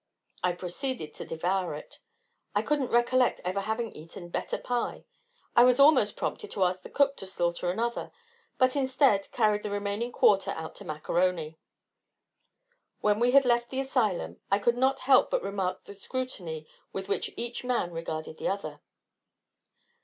I proceeded to devour it. I couldn't recollect ever having eaten better pie; I was almost prompted to ask the cook to slaughter another, but, instead, carried the remaining quarter out to Mac A'Rony. When we had left the asylum, I could not help but remark the scrutiny with which each man regarded the other.